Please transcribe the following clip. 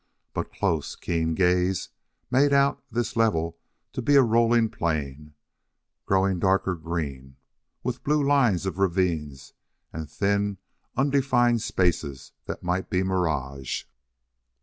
But close, keen gaze made out this level to be a rolling plain, growing darker green, with blue lines of ravines, and thin, undefined spaces that might be mirage.